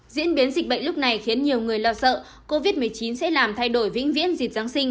diễn biến dịch bệnh lúc này khiến nhiều người lo sợ covid một mươi chín sẽ làm thay đổi vĩnh viễn dịp giáng sinh